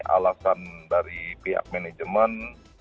alasan dari pihak manajemen